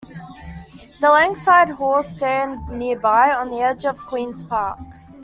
The Langside Halls stand nearby, on the edge of Queen's Park.